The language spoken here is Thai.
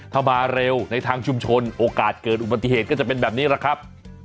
ถ้ามาเร็วในทางชุมชนโอกาสเกิดอุบัติเหตุก็จะเป็นแบบนี้แหละครับ